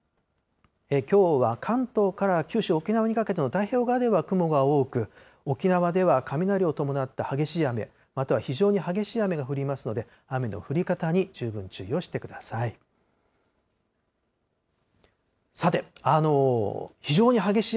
きょうは関東から九州、沖縄にかけての太平洋側では雲が多く、沖縄では雷を伴った激しい雨、または非常に激しい雨が降りますので、雨の降り方に十分注意をしてください。